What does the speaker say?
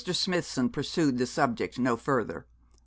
Smithson pursued the subject no further.